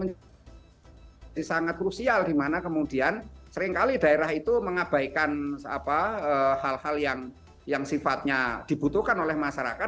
ini sangat krusial dimana kemudian seringkali daerah itu mengabaikan hal hal yang sifatnya dibutuhkan oleh masyarakat